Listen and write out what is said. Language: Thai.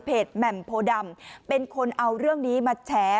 แหม่มโพดำเป็นคนเอาเรื่องนี้มาแชร์